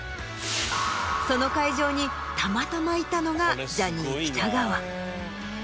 その会場にたまたまいたのがジャニー喜多川。